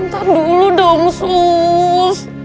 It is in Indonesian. bentar dulu dong sus